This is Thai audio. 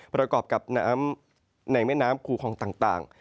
ประกอบกับน้ำในแม่น้ำคูคองต่าง